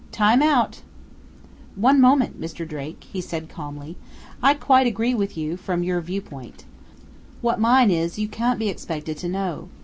Time out! "One moment, Mr. Drake," he said calmly. "I quite agree with you from your viewpoint. What mine is, you can't be expected to know.